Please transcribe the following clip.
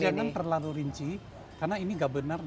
kita jangan terlalu rinci karena ini tidak benar